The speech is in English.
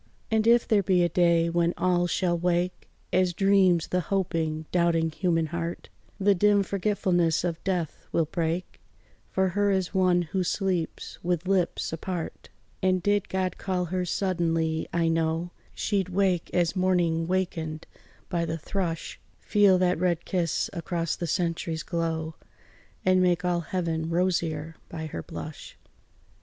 And if there be a day when all shall wake, As dreams the hoping, doubting human heart, The dim forgetfulness of death will break For her as one who sleeps with lips apart; And did God call her suddenly, I know She'd wake as morning wakened by the thrush, Feel that red kiss across the centuries glow, And make all heaven rosier by her blush.